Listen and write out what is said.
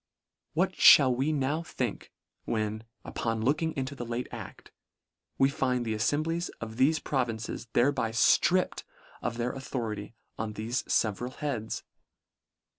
What mall we now think, when, upon looking into the late act, we find the afTem blies of thefe provinces thereby ftript of their authority on thefe feveral heads